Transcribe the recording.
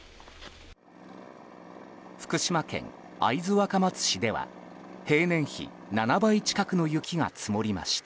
福島県会津若松市では平年比７倍近くの雪が積もりました。